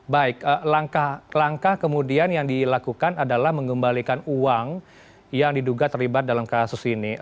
baik langkah kemudian yang dilakukan adalah mengembalikan uang yang diduga terlibat dalam kasus ini